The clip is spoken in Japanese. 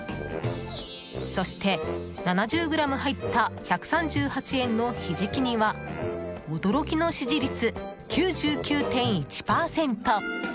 そして、７０ｇ入った１３８円のひじき煮は驚きの支持率、９９．１％。